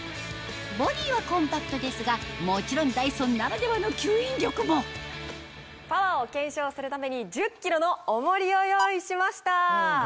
ボディーはコンパクトですがもちろんダイソンならではの吸引力もパワーを検証するために１０ｋｇの重りを用意しました。